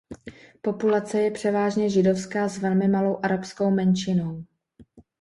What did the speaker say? Populace je převážně židovská s velmi malou arabskou menšinou.